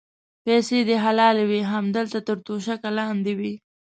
پیسې دې حلالې وې هملته تر توشکه لاندې وې.